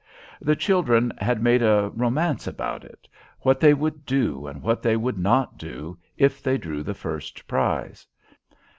The children had made a romance about it, what they would do, and what they would not do, if they drew the first prize.